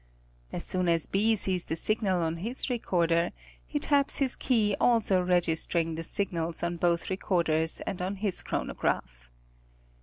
As soon as B sees the signal on his recorder, he taps his key also registering the signals on both recorders and on his chronograph.